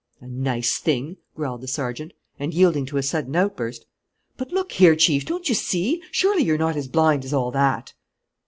"A nice thing!" growled the sergeant. And, yielding to a sudden outburst: "But, look here, Chief, don't you see? Surely you're not as blind as all that!"